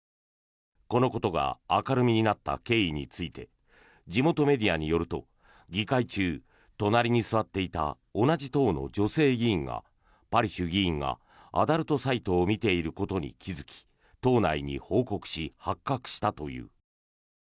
このことが明るみになった経緯について地元メディアによると議会中、隣に座っていた同じ党の女性議員がパリシュ議員がアダルトサイトを見ていることに気付き党内に報告し、発覚したという。